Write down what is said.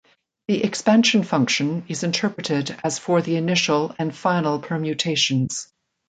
The expansion function is interpreted as for the initial and final permutations.